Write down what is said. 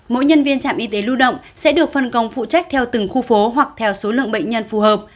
mỗi nhân viên trạm y tế lưu động sẽ được phân công phụ trách theo từng khu phố hoặc theo số lượng bệnh nhân phù hợp